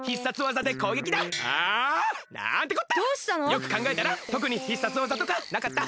よくかんがえたらとくに必殺技とかなかった。